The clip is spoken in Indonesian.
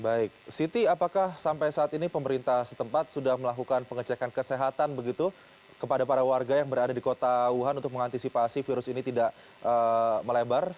baik siti apakah sampai saat ini pemerintah setempat sudah melakukan pengecekan kesehatan begitu kepada para warga yang berada di kota wuhan untuk mengantisipasi virus ini tidak melebar